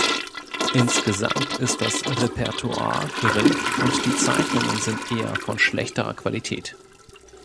Insgesamt ist das Repertoire gering und die Zeichnungen sind eher von schlechterer Qualität.